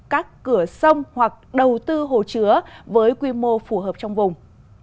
các cửa sông hoặc đầu tư hồ chứa với quy mô phù hợp trong vùng